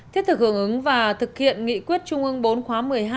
thiết thực hưởng ứng và thực hiện nghị quyết trung ương bốn khóa một mươi hai